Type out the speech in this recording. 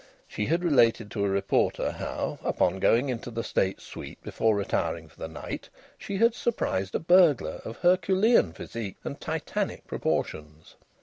She had related to a reporter how, upon going into the state suite before retiring for the night, she had surprised a burglar of Herculean physique and Titanic proportions.